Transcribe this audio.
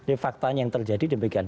ini faktanya yang terjadi demikian